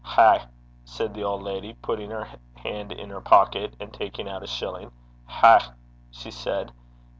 Hae!' said the old lady, putting her hand in her pocket, and taking out a shilling. 'Hae,' she said.